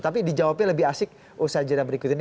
tapi dijawabnya lebih asik usaha jenak berikut ini